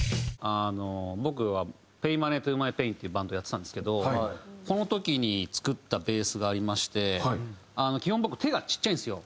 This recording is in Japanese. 僕はＰａｙｍｏｎｅｙＴｏｍｙＰａｉｎっていうバンドをやってたんですけどこの時に作ったベースがありまして基本僕手がちっちゃいんですよ。